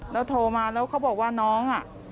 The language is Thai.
แล้วโทรมาแล้วเขาบอกว่าน้อง